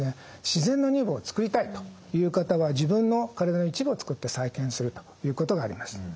自然な乳房を作りたいという方は自分の体の一部を使って再建するということがあります。